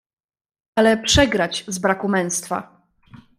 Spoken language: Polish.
"Ale przegrać z braku męstwa?!"